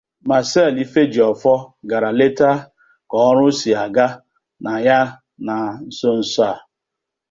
Marcel Ifejiofor gara leta ka ọrụ si aga na ya na nsonso a.